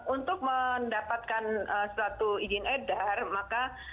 untuk mendapatkan suatu izin edar maka